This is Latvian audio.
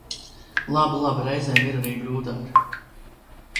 Labi, labi, reizēm ir arī grūtāk.